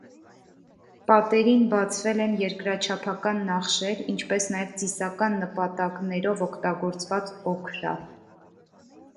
Պատերին բացվել են երկրաչափական նախշեր, ինչպես նաև ծիսական նպատակներով օգտագործված օքրա։